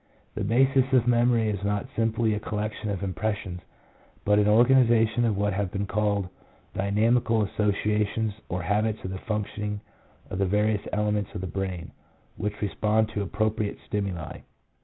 The basis of memory is not simply a col lection of impressions, but an organization of what have been called "dynamical associations," or habits of the functioning of the various elements of the brain, which respond to appropriate stimuli.